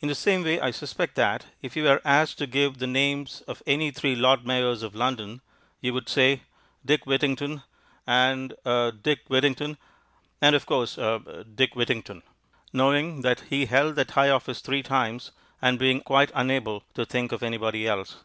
In the same way I suspect that, if you were asked to give the names of any three Lord Mayors of London, you would say, "Dick Whittington, and er Dick Whittington, and of course er Dick Whittington," knowing that he held that high office three times, and being quite unable to think of anybody else.